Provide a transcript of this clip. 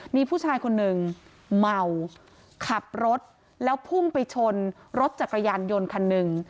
มีผู้ชายคนหนึ่งเมาขับรถแล้วพุ่งไปชนรถจักรยานยนต์คันหนึ่ง